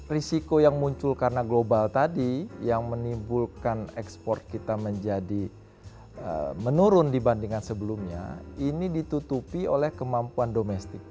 risiko yang muncul karena global tadi yang menimbulkan ekspor kita menjadi menurun dibandingkan sebelumnya ini ditutupi oleh kemampuan domestik